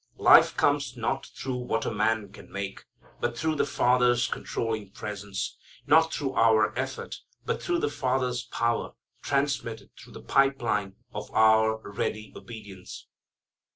Life comes not through what a man can make, but through the Father's controlling presence: not through our effort, but through the Father's power transmitted through the pipe line of our ready obedience.